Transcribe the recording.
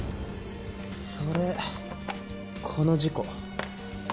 それこの事故。